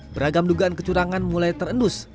beragam dugaan kecurangan mulai terendus